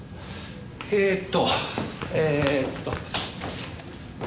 えっとえーっと。